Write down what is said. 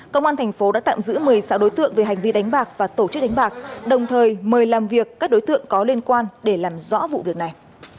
công an thành phố đã tạm giữ một mươi sáu đối tượng về hành vi đánh bạc và tổ chức đánh bạc đồng thời mời làm việc các đối tượng có liên quan để làm rõ vụ việc này